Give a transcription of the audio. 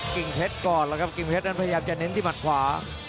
กิ่งเพชรก่อนแล้วครับกิ่งเพชรนั้นพยายามจะเน้นที่หมัดขวา